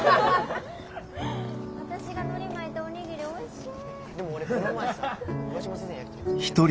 私がのり巻いたお握りおいしい。